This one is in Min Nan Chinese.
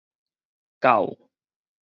到